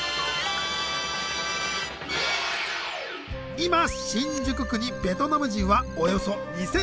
今新宿区にベトナム人はおよそ２，３００人。